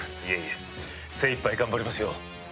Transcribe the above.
いえいえ精いっぱい頑張りますよ。